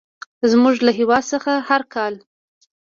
زموږ له هېواد څخه هر کال.